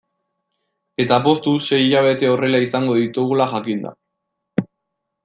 Eta poztu sei hilabete horrela izango ditugula jakinda.